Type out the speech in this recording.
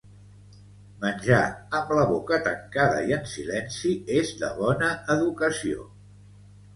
Menjar amb la boca tancada i en silenci és de bona educació